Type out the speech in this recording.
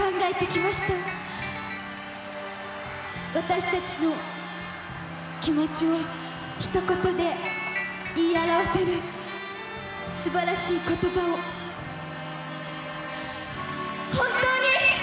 私たちの気持ちをひと言で言い表せるすばらしい言葉を本当に。